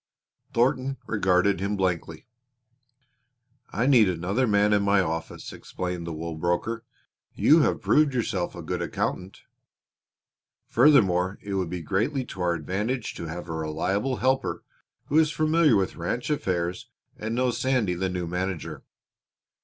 Thornton regarded him blankly. "I need another man in my office," explained the wool broker. "You have proved yourself a good accountant. Furthermore it would be greatly to our advantage to have a reliable helper who is familiar with ranch affairs and knows Sandy, the new manager.